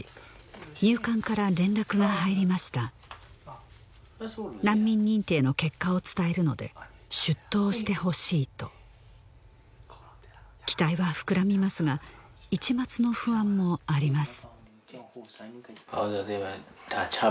入管から連絡が入りました難民認定の結果を伝えるので出頭してほしいと期待は膨らみますが一抹の不安もあります